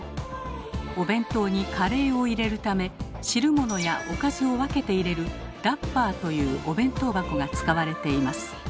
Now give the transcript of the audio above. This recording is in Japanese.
お弁当にカレーを入れるため汁物やおかずを分けて入れる「ダッバー」というお弁当箱が使われています。